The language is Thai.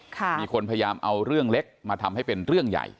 มีคนพยายามเอาเรื่องเล็กมาทำให้เป็นเรื่องใหญ่